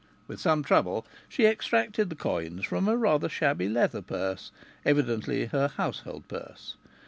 With some trouble she extracted the coins from a rather shabby leather purse evidently her household purse.